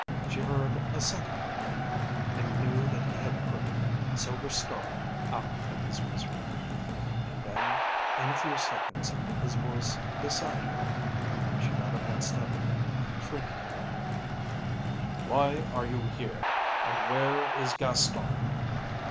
She heard a second report and knew that he had put Silver Star out of his misery, and then, in a few seconds, his voice beside her. She got up unsteadily, shrinking from him. "Why are you here, and where is Gaston?"